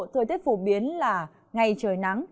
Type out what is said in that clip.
thời tiết phổ biến là ngày trời nắng